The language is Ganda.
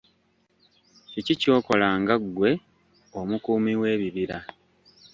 Ki ky'okola nga ggwe omukuumi w'ebibira?